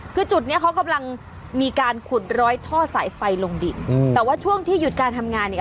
คือจุดเนี้ยเขากำลังมีการขุดร้อยท่อสายไฟลงดินอืมแต่ว่าช่วงที่หยุดการทำงานเนี่ย